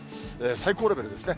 最高レベルですね。